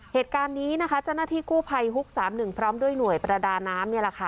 เหตุการณ์นี้นะคะเจ้าหน้าที่กู้ภัยฮุก๓๑พร้อมด้วยหน่วยประดาน้ำนี่แหละค่ะ